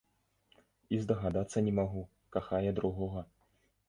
І здагадацца не магу, кахае другога.